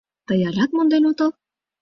— Тый алят монден отыл?